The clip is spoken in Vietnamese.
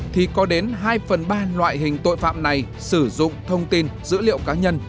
thì có đến hai phần ba loại hình tội phạm này sử dụng thông tin dữ liệu cá nhân